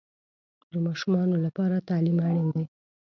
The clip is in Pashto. د ماشومانو لپاره تعلیم اړین دی.